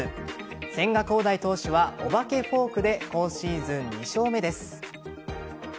千賀滉大投手はお化けフォークで今シーズン２勝目です。